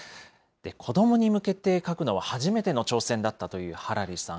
子どもに向けて書くのは初めての挑戦だったというハラリさん。